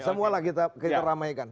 semualah kita ramaikan